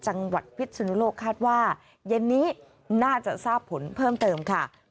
พิษนุโลกคาดว่าเย็นนี้น่าจะทราบผลเพิ่มเติมค่ะ